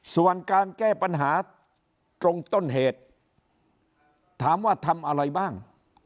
ส่วนการแก้ปัญหาตรงต้นเหตุถามว่าทำอะไรบ้าง